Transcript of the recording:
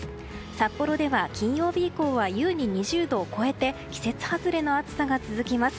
札幌では金曜日以降は優に２０度を超えて季節外れの暑さが続きます。